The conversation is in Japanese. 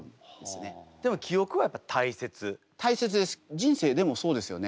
人生でもそうですよね。